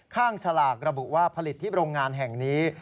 ฉลากระบุว่าผลิตที่โรงงานแห่งนี้